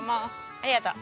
ありがとう。